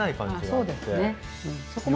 ああそうですね